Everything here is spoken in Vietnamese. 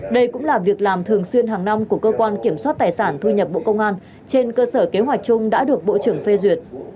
đây cũng là việc làm thường xuyên hàng năm của cơ quan kiểm soát tài sản thu nhập bộ công an trên cơ sở kế hoạch chung đã được bộ trưởng phê duyệt